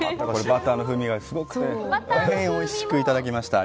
バターの風味がすごくて大変おいしくいただきました。